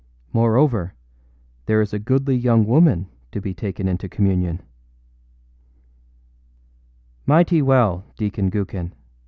Moreover, there is a goodly young woman to be taken into communion.â âMighty well, Deacon Gookin!